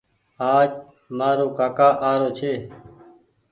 آج مآرو ڪآڪآ آرو ڇي